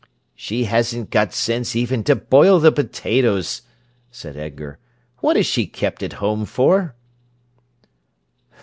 "She hasn't got sense even to boil the potatoes," said Edgar. "What is she kept at home for?"